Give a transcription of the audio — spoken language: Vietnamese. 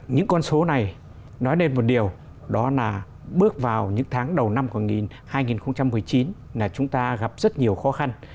những con số này nói lên một điều đó là bước vào những tháng đầu năm hai nghìn một mươi chín là chúng ta gặp rất nhiều khó khăn